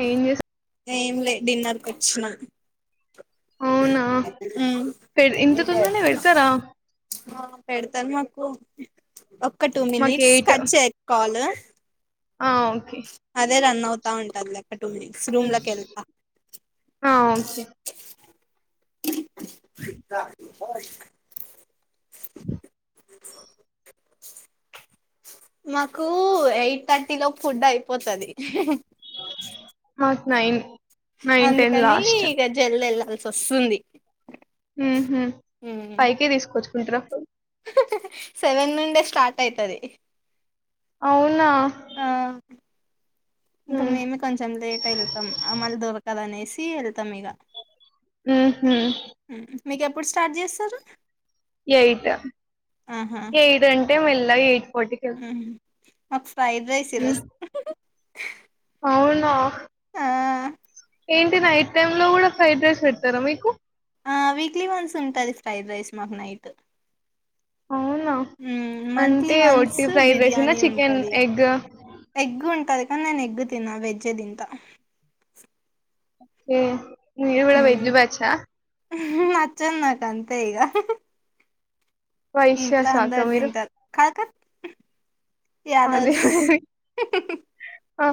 ఏం చేసా ఏం లే డిన్నర్ కోచ్చిన అవునా హ్మ్ పె ఇంత తొందరనే పెడతారా హ పెడ్తరు మాకు ఓ ఒక్క టూ మాకు మినిట్స్ ఎయిట్ కట్ చేయక్ కాలు ఆ ఓకే అదే రన్ అవు తా ఉంటదిలే టూ మినిట్స్ రూమ్లకెళ్త [inaudible] ఆ ఓకే [inaudible] [unintelligible] మాకు ఎయిట్ థర్టీ లోపు ఫుడ్ అయిపోతది. మాకు నైన్ నైన్ టెన్ అందుకని లాస్ట్ ఇగ జల్దెల్లాల్ వస్తుంది ఉమ్ హు ఉమ్ పైకే తీసుకోచ్ [unintelligible] సెవెన్ నుండే స్టార్ట్ అయితది అవునా ఆ ఇంకా ఉమ్ మేమే కొంచెం లేటెళ్తాం మళ్ళీ దొరకదని సీవెలుతాం ఇగా ఊహు మీకెప్పుడు స్టార్ట్ చేస్తరు ఎయిట్ ఎయిట్ అంటే మెల్ ఎయిట్ ఫార్టీకి వెళ్తాం హ్మ్ అప్స్ ఫ్రైడ్ రైస్ మ్. ఈరోజ్ అవునా ఆ ఏంటి నైట్ టైమ్ లో కూడా ఫ్రైడ్ రైస్ పెడతరా మీకు ఆ వీక్లీ వన్స్ ఉంటది ఫ్రైడ్ రైస్ మాకు నైట్ అవునా హ్మ్ మంత్లీ అంటే వన్స్ ఒట్టి ఫ్రైడ్ రైస్ అయినా బిర్యానీ చికెన్ ఉంటది ఎగ్ ఎగ్ ఉంటది కానీ నేన్ ఎగ్ ఎగ్ తినా వెజే తింట ఒకే మీరు కూడా వెజ్ బ్యాచా ఉహూ నచ్చదు నాక్ అంతే ఇగ వైష్యాసాక్క మీరు తింటారు కాక అదే యాదవ్స్ ఆ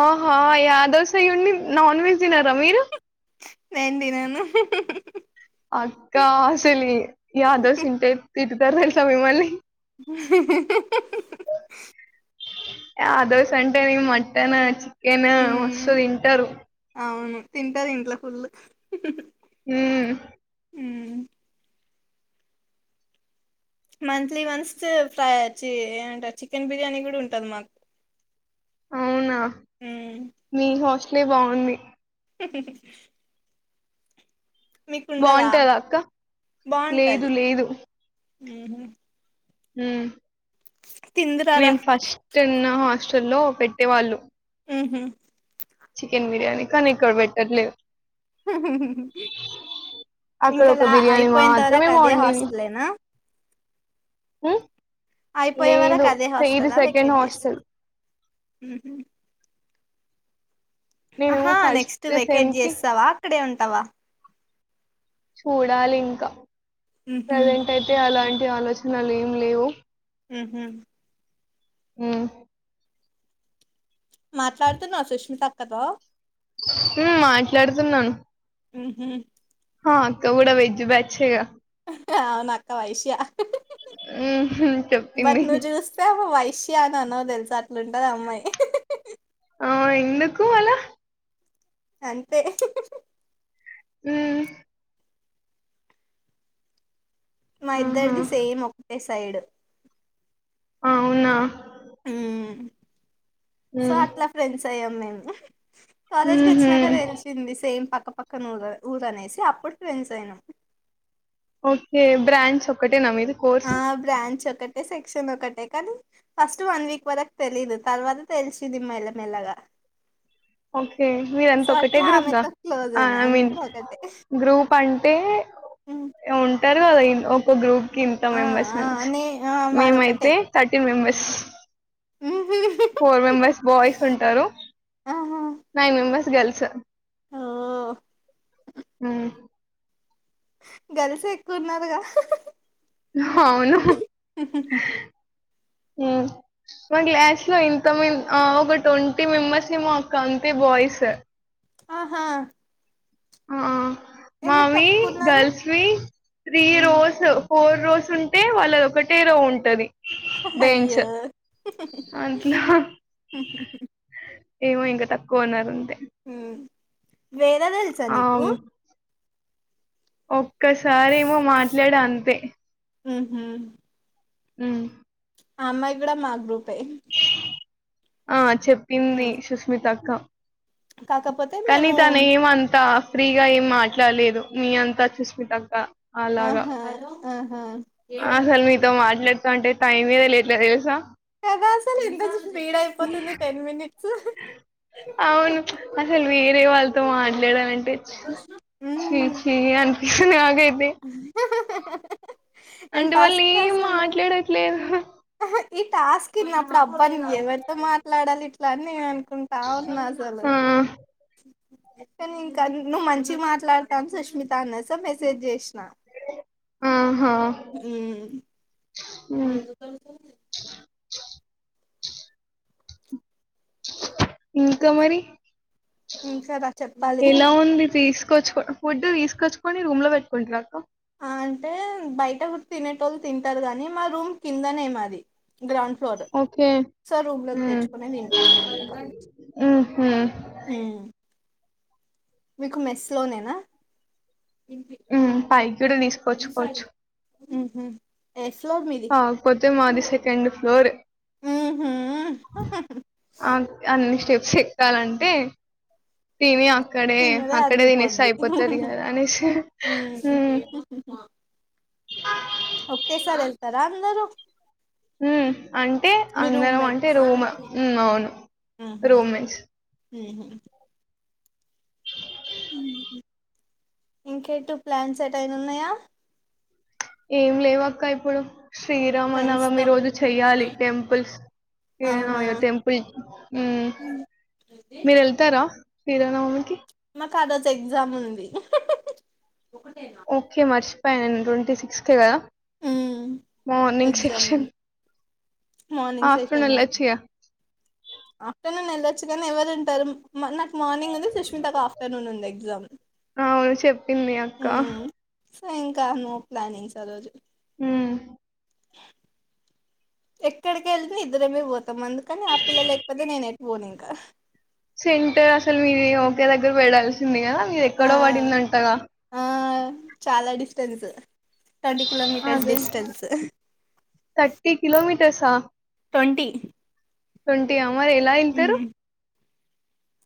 ఆ ఆ యాదవ్స్ అయ్యుండి నాన్వెజ్ తినరా మీరు నేను తినను అక్క అసలు యాదవ్స్ ఇంతె తిట్టుతారు తెల్సా మిమ్మల్ని [inaudible] యాదవ్స్ అంటేనే మటన్ చికెన్ మ్మ్ మస్తు తింటారు అవును తింటారు ఇంట్ల ఫుల్ ఉమ్ ఉమ్ మంత్లీ వన్స్ ఫ్రైచి ఏంటారు చికెన్ బిర్యానీ కూడా ఉంటది మాకు అవునా మ్మ్ మీహష్ అన్నీ బాగుం హ్మ్ ఇహ్ బాగుంటదా అక్క లేదు లేదు ఉ హు ఉ తిందురారా నేను ఫస్ట్ ఉ ఛలో పెట్టేవాళ్ళు ఉ హు చికెన్ బిర్యానీ కానీ ఇక్కడ బెట్టట్లే అక్కడ ఒక ఇంకాలా బిర్యానీ అయిపోయంత మాత్రమే వరకు అదే బావుండేది. హాస్టల్నా హ్మ్. అయిపోయే వరకు లేదు అదే సో ఇది హాస్టల్ సెకండ్ వెకెయిట్ హాస్టల్ హు నేను ఆహా నెక్స్ట్ ఫస్ట్ సెమ్ వెకేట్ కి చేస్తావా అక్కడే ఉంటా తవా చూడాలి ఇంక ఉహు ప్రెజెంట్ అయితే అలాంటి ఆలోచనలు ఏం లేవు ఇహుమ్ ఇమ్ మాట్లాడుతున్నావ సుష్మిత అక్కతో హ్మ్ మాట్లాడుతున్నా ఉహు హా గౌడ వేజ్ బ్యాచ్చే గా ఆ అవున అక్క వైశ్య హు చెప్పింది విష అన్నావో తెలుసా అట్లుంటది అమ్మాయి ఆవును ఎందుకు అలా అంతే హ మా ఆహా ఇద్దర్ది సేమ్ ఒకటే సైడ్ ఆ అవునా హ్మ్ సో ఉమ్ అట్లా ఫ్రెండ్స్ అయ్యాం మేము ఎ కాలేజ్ కీ ఉహు వచ్చినాక తెలిచింది సేమ్ పక్క పక్కపక్కనరు ఊరనేసి అప్పుడు ఫ్రెండ్స్ అయ్యినం ఓకే బ్రాంచ్ ఒకటి టే న మీది కోర్స్ ఒకేటే సెక్షన్ ఒకటే కానీ ఫస్ట్ వన్ వీక్ వరకు తెలీదు తర్వాత తెలిసిది మెల్లమెల్లగా ఓకే సో మీరంతా ఒకటే అట్లా గ్రూప్గా ఆమెతో క్లోజ్ ఆ అయినా ఐ మీన్ అంతా ఒకటే గ్రూప్ అంటే ఉమ్. ఉంటారు గదా ఇ ఒక గ్రూప్ కి ఇంత ఆ మెంబెర్స్ ఆ అని నే ఆ మాదొకటే మేమయితే థర్టీ మెంబెర్స్ ఉమ్. ఫోర్ మెంబెర్స్ బాయ్స్ ఉంటారు ఆహా నైన్ మెంబెర్స్ గర్ల్స్ ఓ హు గర్ల్స్ ఏ ఎక్కువున్నారుగా అవును హ్మ్ మా క్లాస్ లో ఇంతమంది ఒక ట్వంటీ మెంబర్స్ ఏమో అక్క అంతే బాయ్స్ ఆహా ఆ ఎందుకు మావి తక్కువ ఉన్నారు గర్ల్స్ వి త్రి ఉమ్. రోస్ ఫోర్ రోస్ ఉంటే వాళ్ళది ఒకటే రో ఉంటది బెంచ్ అయ్యో అట్లా ఏమో ఇంకా తక్కువ ఉన్నారు అంతే హ్మ్ వేద తెలుసా నీకు ఓ క్కసారేమో మాట్లాడ అంతే మ్ హు హ్మ్ ఆ అమ్మాయి కూడా మా గ్రూపే ఆ చెప్పింది ఉమ్. సుష్మితక్క కాకపోతే కానీ మేము తాను ఎం అంత ఫ్రీగా ఏం మాట్లాడలేదు మీ అంతా సుస్మతక్క అలాగా ఆహా ఆహా ఆసలు మీతో మాట్లాడు తాంటే టైమే తెలియట్లే తెలుసా [unintelligible] కదా అసలు ఎంత స్పీడ్ అయిపోతుంది టెన్ మినిట్స్ రేవాళ్లతో మాట్ లేదనంటే చి చి నాగైత్ తే నేను అందువల్ల ఫస్ట్ ఏం మాట్లాడట్లేదు హ్ ఈ టాస్క్ ఇన్నాప్ అబ్బా నేను ఎవర్తో మాట్లాడాలి ఇట్లా అని నేను అనుకుంటా ఉన్నా అసలు ఆ కానీ ఇంకా నువ్వు మంచి మాట్లాడతాను సుష్మిత అన్నద్ చా మెసేజ్ జెసిన ఆహా మరి ఉమ్. ఎందుకు తలుగుత లేదే ఇంకా మరి ఇంకా రా చెప్పాలి ఎలా ఉంది ఫీస్ తీసుకొ ఫుడ్ తీసుకొచ్చుకొని రూమ్ లో పెట్టుకుంటరా అక్క అంటే బయట కూడా తినేటోళ్ళు తింటారు కాని మా రూమ్ కిందనే మాది గ్రౌండ్ ఫ్లోర్ ఓకే సో రూమ్లోకి ఉమ్ తెచ్చుకునే తింటాం నేను ఇంకా ఉహు హ్మ్ మీకు మెస్ లో నేనా ఉమ్ పైకి గుడా తీసుకవచ్చుకోవచ్చు హు హ్మ్ ఎస్ కాకపోతే మాది సెకండ్ ఫ్లోర్ ఉహు ఆ అన్ని స్టెప్ చెక్కాలంటే తిని ఆ అక్కడే తిన్నదే అక్కడే తినేస్తే అరిగిపోద్ది అయిపోతుది కదా అనేసి హ్మ్ ఉ ఒకటేసారి వెళ్తారా అందరూ హ్మ్ అంటే మీ అందరం అంటే రూమ్మేట్స్ రూమ్ అవును రూమ్మేట్స్ ఊహూ ఇంకేంటి ప్లాన్స్ ఎటైనా ఉన్నాయా ఏం లేవు అక్క ఇప్పుడు ఫ్రెండ్స్ శ్రీరామనవమి తో రోజు చెయ్యాలి టెంపుల్స్ ఆహా [unintelligible] టెంపుల్ హ్మ్ మీరు వెళ్తారా శ్రీ రామనవమి కి మాకు ఆ రోజు ఎగ్జామ్ ఉంది ఓకే మరిష్ పం ట్వంటీ సిక్స్ కేే కదా ఉమ్ మార్నింగ్ ఎగ్జామ్ సిక్స్ ఉంది మార్నింగ్ ఆఫ్టర్నూన్ సెషన్ మాకు వెళ్ళొచ్చు గా ఆఫ్టర్నూన్ వెళ్ళొచ్చు కానీ ఎవరు ఉంటారు మ్ మ మార్నింగ్ ఉంది సుష్మిత ఒక ఆఫ్టర్నూన్ ఉంది ఎగ్జామ్ అవును చెప్పింది అక్క ఇంకా నో ప్లానింగ్స్ ఆ రోజు మ్ ఎక్కడికి వెళ్తే ఇద్దరమే పోతాం అందుకని ఆ పిల్ల లేకపోతే నేను ఎట్ పోను ఇంకా సెంట్ అసలు మీరు ఓకే దగ్గర పడాల్సింది కదా మీది ఆ ఎక్కడో పడిందంటగా ఆ చాలా డిస్టెన్స్. ట్వంటీ కిలోమీటర్స్ అదే డిస్టెన్స్ థర్టీ కిలోమీటర్సా ట్వంటీ ట్వంటీ అవు మరి ఎలా వెళ్తారు.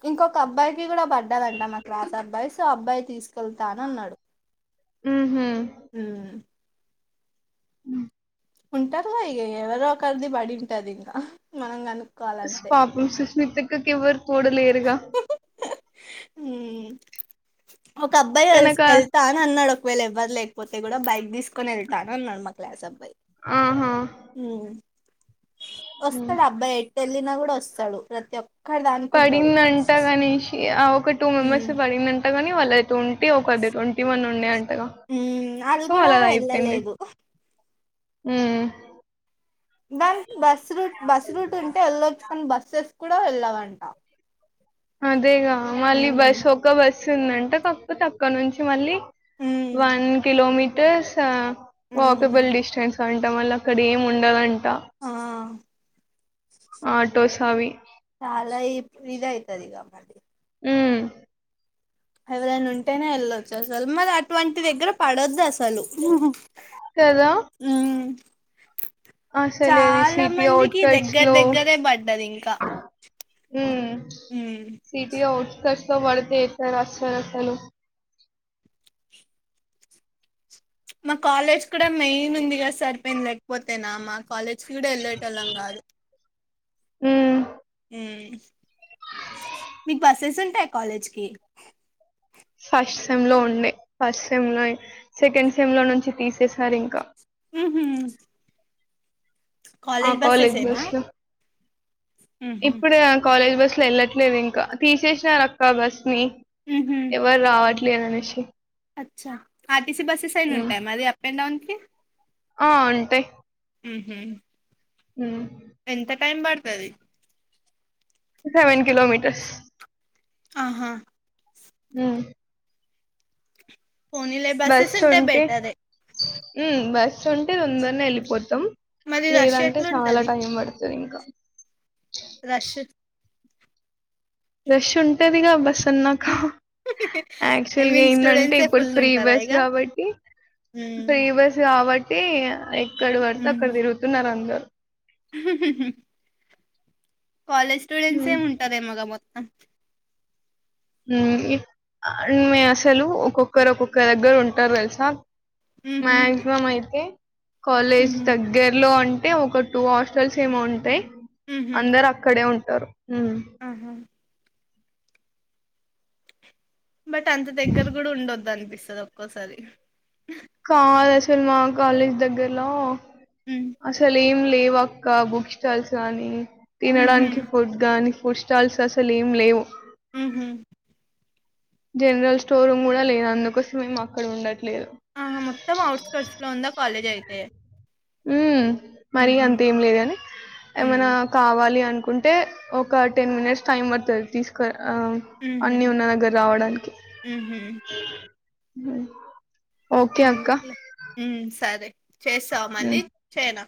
ఇంకొక అబ్బాయికి కూడా పడ్డదంట మా క్లాస్ అబ్బాయి సో అబ్బాయి తీసుకెళ్తాను అన్నాడు. ఊహు ఉమ్ హు ఉంటారుగా ఇక ఎవరో ఒకరిది పడింటది ఇంగ మనం కను పాపుసు శృతక్కక్కేవర్ తోడులేరుగా ఊ ఒక అబ్బాయి వెల్స్ తనకా వెళ్తా అని అన్నాడు. ఒకవేళ ఎవ్వరు లేకపోతే కూడా బైక్ తీసుకొని వెళ్తాను అన్నాడు మా క్లాస్ అబ్బాయి ఆహా ఊ హ్మ్ వస్తడబ్బాయితే వెళ్ళిన కూడా వస్తాడు ప్రతి ఒక్క పడిందంట గణేషి అవ్ ఒక టూ ఉమ్ మెంబర్స్కి పడిందట. ఎవనికి పడలేదు పొన్ టీ ఒకది ట్వంటీ వన్ ఉండే అంటగా ఉమ్ అది సో కూడా అలా అయిపోయింది. వెళ్ళలేదు ఆ బన్ బస్రూట్ బసృూట్ ఉంటే ఎల్లచ్చు. అన్ బస్సెస్ కూడా వెళ్ళవంట. అదేగా మళ్ళీ ఉమ్ బస్ ఓక్క బస్ వస్తుందంటే తక్కు తక్కువ నుంచి మళ్ళీ ఉమ్ వన్ కిలోమీటర్స్హ ఉమ్ వాకబుల్ డిస్టెన్స్ తంటం వల్ల అక్కడ ఏం ఉండవండ్ త ఆ ఆటోస్ అవి అలా ఇద్ ఇదైతే తదిగా మరి ఊ ఎవరైనా ఉంటేనే వెళ్ళొచ్చు అసలు మరి అటువంటి దగ్గర పడొద్దు అస తలు ఉ అసలే అది సిటీ ఔట్ మందికి కట్స్ దగ్గర లో దగ్గరే పడ్డది ఇంకా ఉ ఉమ్ సిటీ ఔట్స్ కష్ట పడితే ఇతర అస్సలు మా కాలేజ్ కూడా మెయిన్ ఉందిగా సరిపోయింది లేకపోతేనా మా కాలేజ్ చూడా వెళ్లేటోల్లం కాదు ఉ ఉ మీకు బసెస్ ఉంటాయి కాలేజ్కి ఫస్ట్ సెమ్ లో ఉండే ఫస్ట్ సెమ్ లో సెకండ్ సెమ్ లో నుంచి తీసేసారు ఇంకా ఉహు ఆ కాలేజ్ బస్ లో ఉహు ఇప్పుడే కాలేజ్ బస్ ట్లే వెళ్ళట్లేదు ఇంకా తీసేసినారక్క బస్ మీ ఉహు ఎవరు రావట్ లేదనేషి అచ్చ అ సిస్ బస్సెస్ అయినా ఉంటాయా మరి అప్ అండ్ డౌన్ కి ఆ ఉంటాయి ఉహు ఉ ఎంత టైం పడుతది సెవెన్ కిలోమీటర్స్ ఆహా ఉ ఫోనీలే బస్సెస్ ఉంటే బెటరే ఉ బస్ ఉంటే తొందరనే వెళ్ళిపోతాం మరి రష్ లేదంటే చాలా ఎట్లుంటది టైం పడు సరే ఇంకా రష్ రష్ ఉంటదిగా బస్ అన్నాక ఐ యాక్చువల్గా మీన్ ఏందంటే స్టూడెంట్సే ఇప్పుడు ఫుల్ ఫ్రీ ఉంటారా బస్ ఇగ కాబట్టి ఉమ్ ఫ్రీ బస్ కాబ ఏ ఎక్కడ పడితే ఉమ్ అక్కడ తిరుగుతున్నారు అందరు కాలేజ్ స్టూడెంట్స్ ఏ ఉంటారేమో గా మొత్తం ఉ ఇప్ అసలు ఒక్కొక్కరు ఒక్కొక్కరి దగ్గర ఉంటారు తెలుసా ఉహు మ్యాక్సిమమ్ అయితే కాలేజ్ ఉహు దగ్గరలో ఉ అంతే ఒక టూ హాస్టల్స్ ఏమో ఉంటాయి ఉహు అందరు అక్కడే ఉ వస్తారు ఊ ఆహా బట్ అంత దగ్గర కూడా ఉండొద్దు అంది అనిపిస్తాది ఒక్కోసారి కారు ఎసున్నా కాలేజ్ దగ్గరలో ఉమ్ అసలేం లేవ ఇంకా బుక్ స్టాల్స్ కానీ ఉహు తినడానికి ఫుడ్ గాని ఫుడ్ స్టాల్స్ అసలు ఏం లేవు ఉహు జనరల్ స్టోర్ రూమ్ కూడా లేదు అందుకోసమే మాక్కుడ ఉండట్లేదు ఆహ మొత్తం అఔట్ స్కాట్స్ లో ఉందా కాలేజ్ అయితే ఊ మరి ఉహు అంతేం లేదు గాని ఏమైనా ఉమ్ కావాలి అంట ఉంటే ఒక టెన్ మినిట్స్ టైమ్ పడుతుంది తీసుకురా అ ఉహు అన్ని ఉన్నా దగ్గర మెత్తానికి ఉహు ఆహ ఊ సరే చేస్తావు మళ్ళీ హ్మ్. చేయనా